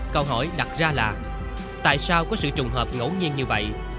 câu hỏi đặt ra là tại sao có sự trùng hợp ngẫu nhiên như vậy